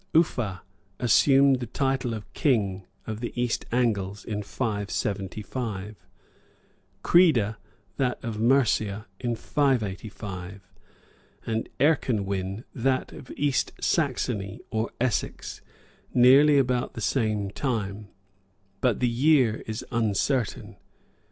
Uffa assumed the title of king of the East Angles in 575; Crida, that of Mercia in 585;[] and Erkenwin, that of East Saxony, or Essex, nearly about the same time; but the year is uncertain.